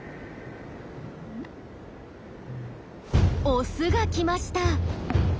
オスが来ました。